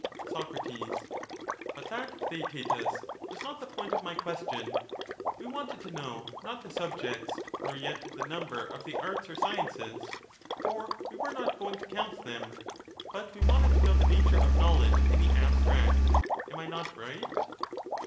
Soc, But that, Theaetetus, was not the point of my question : Such enu we wanted to know not the subjects, nor yet the number of n^t dcfini! the arts or sciences, for we were not going to count them, but tion. we wanted to know the nature of knowledge in the abstract. Am I not right